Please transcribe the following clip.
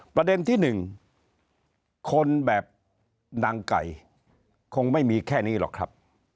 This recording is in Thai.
ประเด็นที่๑คนแบบนางไก่คงไม่มีแค่นี้หรอกครับ